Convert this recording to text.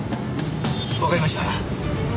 わかりました。